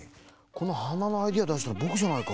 このはなのアイデアだしたのぼくじゃないか。